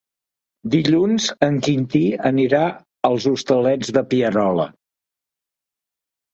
Dilluns en Quintí anirà als Hostalets de Pierola.